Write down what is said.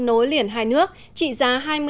nối liền hai nước trị giá